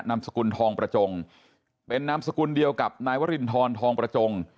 สกุลทองประจงเป็นนามสกุลเดียวกับนายวรินทรทองประจง